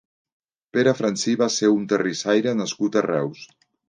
Pere Francí va ser un terrissaire nascut a Reus.